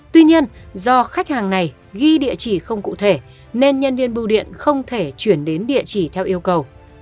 tuy nhiên do khách hàng này ghi địa chỉ không cụ thể nên nhân viên bưu điện không thể chuyển đến địa chỉ theo yêu cầu